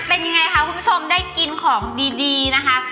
เป็นยังไงคะคุณผู้ชมได้กินของดีนะคะ